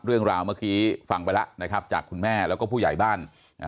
เรื่องราวเมื่อกี้ฟังไปแล้วนะครับจากคุณแม่แล้วก็ผู้ใหญ่บ้าน